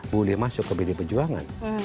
boleh masuk ke bd perjuangan